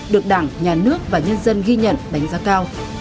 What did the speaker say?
được đảng nhà nước và nhân dân ghi nhận đánh giá cao